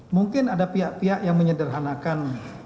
mungkin ada pihak pihak yang menyederhanakan